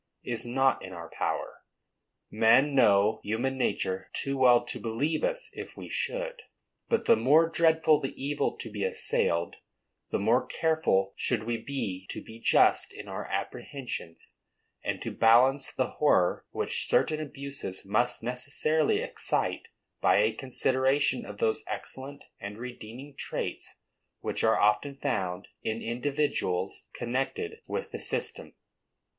is not in our power. Men know human nature too well to believe us, if we should. But the more dreadful the evil to be assailed, the more careful should we be to be just in our apprehensions, and to balance the horror which certain abuses must necessarily excite, by a consideration of those excellent and redeeming traits which are often found in individuals connected with the system.